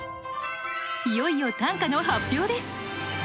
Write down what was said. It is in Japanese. いよいよ短歌の発表です！